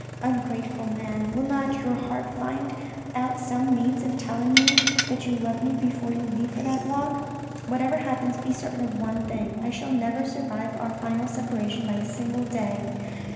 " Ungrateful man, will not your heart find out some means of telling me that you love me before you leave for that walk. Whatever happens, be certain of one thing : I shall never survive our final separation by a single day.